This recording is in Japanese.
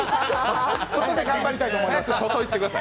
外で頑張りたいと思います。